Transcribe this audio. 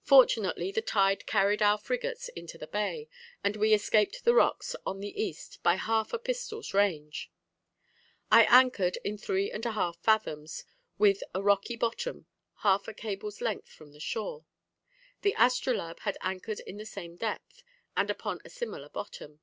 Fortunately the tide carried our frigates into the bay, and we escaped the rocks on the east by half a pistol's range. I anchored in three and a half fathoms, with a rocky bottom, half a cable's length from shore. The Astrolabe had anchored in the same depth, and upon a similar bottom.